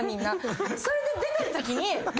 それで出てくときにどう。